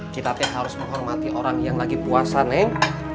kita tidak harus menghormati orang yang lagi puasa neng